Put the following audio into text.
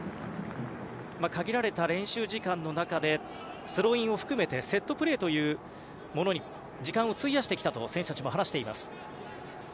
限られた練習時間の中でスローインを含めてセットプレーというものに時間を費やしてきたと選手たちも話しています。